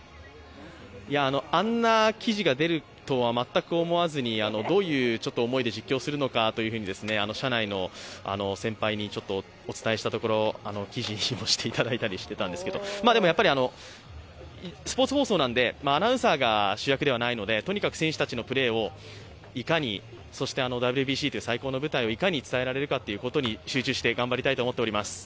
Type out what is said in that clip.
あんな記事が出るとは全く思わずに、どういう思いで実況するのかというふうに社内の先輩にお伝えしたところ、あの記事にもしていただいたりしていたんですけれども、やっぱりスポーツ放送なのでアナウンサーが主役ではないのでとにかく選手たちのプレーをいかに、そしてＷＢＣの最高の舞台をいかに伝えられるかということに集中して頑張りたいと思っております。